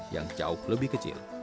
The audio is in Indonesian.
yang jauh lebih kecil